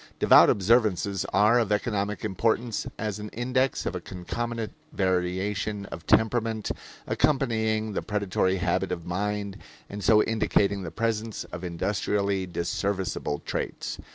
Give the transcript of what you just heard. Devout observances are of economic importance as an index of a concomitant variation of temperament, accompanying the predatory habit of mind and so indicating the presence of industrially disserviceable traits.